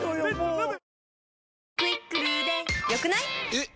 えっ！